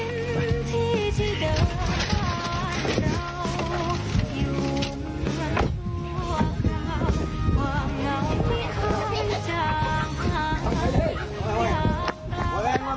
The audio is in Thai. ลูกที่เลิกทำอะไร